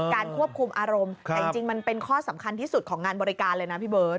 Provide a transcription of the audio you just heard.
ควบคุมอารมณ์แต่จริงมันเป็นข้อสำคัญที่สุดของงานบริการเลยนะพี่เบิร์ต